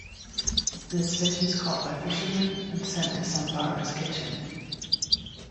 This fish is caught by fishermen and sent to Sambara's kitchen.